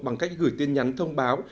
bằng cách gửi tin nhắn thông báo